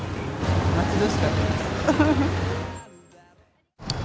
待ち遠しかったです。